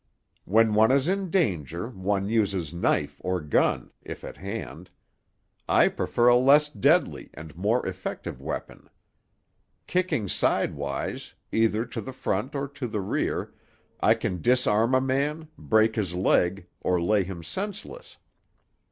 When one is in danger, one uses knife or gun, if at hand. I prefer a less deadly and more effective weapon. Kicking sidewise, either to the front or to the rear, I can disarm a man, break his leg, or lay him senseless.